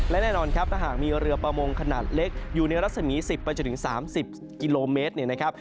และแน่นอนครับถ้าหากมีเรือประมงขนาดเล็กอยู่ในรัศมี๑๐ไปจนถึง๓๐กิโลเมตรเนี่ยนะครับ